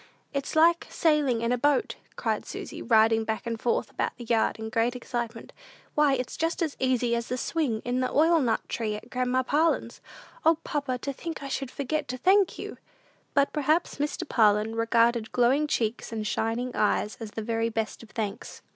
"It's like sailing in a boat," cried Susy, riding back and forth about the yard in great excitement; "why, it's just as easy as the swing in the oilnut tree at grandma Parlin's! O, papa, to think I should forget to thank you!" But perhaps Mr. Parlin regarded glowing cheeks and shining eyes as the very best of thanks.